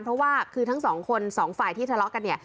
เพราะว่าคือทั้งสองคนสองฝ่ายที่ทะเลาะกันเนี่ย